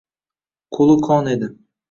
Qo’li qon edi